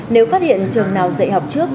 nếu phát hiện trường nào dạy học trước